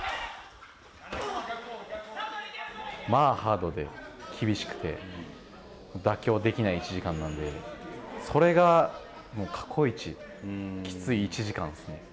まあ、ハードで厳しくて妥協できない１時間なんでそれが過去一きつい１時間ですね。